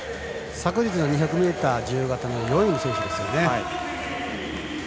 昨日の２００ｍ自由形４位の選手ですよね。